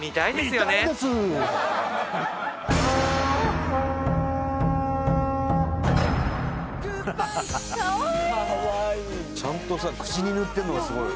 かわいいちゃんとさ口に塗ってんのがすごいよね